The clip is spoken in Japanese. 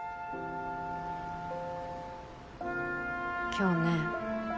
今日ね